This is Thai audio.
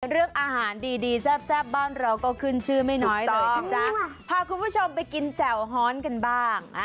เรื่องอาหารดีดีแซ่บบ้านเราก็ขึ้นชื่อไม่น้อยเลยนะจ๊ะพาคุณผู้ชมไปกินแจ่วฮ้อนกันบ้าง